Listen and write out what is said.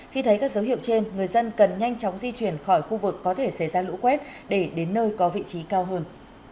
khi thấy các dấu hiệu trên người dân cần nhanh chóng di chuyển khỏi khu vực có thể xảy ra lũ quét để đến nơi có vị trí cao hơn